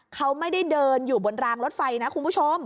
เขาไม่ได้เดินอยู่บนรางรถไฟนะคุณผู้ชม